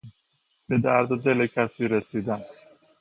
به درد دل کسی رسیدن